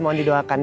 mohon didoakan ya